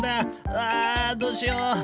うわどうしよう！